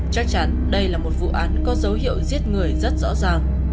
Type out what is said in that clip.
chắc chắn đây là một vụ án có dấu hiệu giết người rất rõ ràng